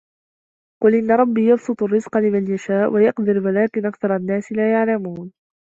قُل إِنَّ رَبّي يَبسُطُ الرِّزقَ لِمَن يَشاءُ وَيَقدِرُ وَلكِنَّ أَكثَرَ النّاسِ لا يَعلَمونَ